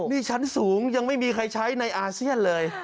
นี่ชั้นสูงยังไม่มีใครใช้ในอาเซียนเลย